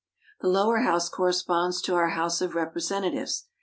The Lower House corresponds to our House of Representatives.